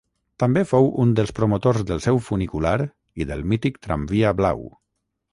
També fou un dels promotors del seu funicular i del mític tramvia blau.